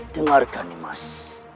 dengarkan nih mas